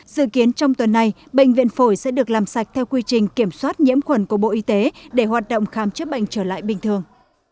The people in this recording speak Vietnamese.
dự kiến trong tuần này bệnh viện phổi sẽ được làm sạch theo quy trình kiểm soát nhiễm khuẩn của bộ y tế để hoạt động khám chữa bệnh trở lại bình thường